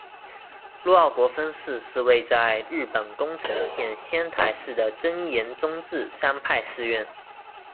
陆奥国分寺是位在日本宫城县仙台市的真言宗智山派寺院。